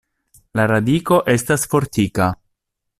La radiko estas fortika.